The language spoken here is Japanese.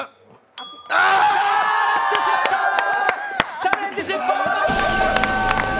チャレンジ失敗！！